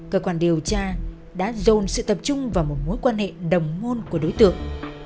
cơ quan điều tra đã dồn sự tập trung vào một mối quan hệ đồng môn của đối tượng